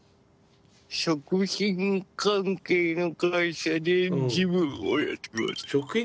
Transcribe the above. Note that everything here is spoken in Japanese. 食品関係の会社で事務をやってます。